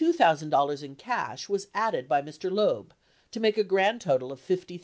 897 sand dollars in cash was added by Mr. Loeb to make a grand total of $50,000.